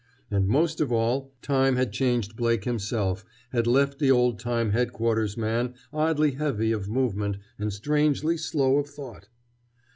And most of all, time had changed Blake himself, had left the old time Headquarters man oddly heavy of movement and strangely slow of thought.